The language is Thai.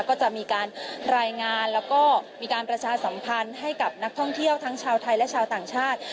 ก็จะมีการรายงานแล้วก็มีการประชาสัมพันธ์ให้กับนักท่องเที่ยวทั้งชาวไทยและชาวต่างชาติ